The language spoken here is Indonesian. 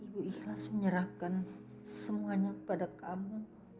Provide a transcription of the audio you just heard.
ibu ikhlas menyerahkan semuanya pada kamu